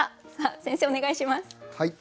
先生お願いします。